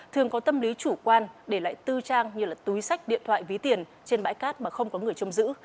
thường có tâm lý chủ quan để lại tư trang như là túi sách điện thoại ví tiền trên bãi cát mà không có người chông giữ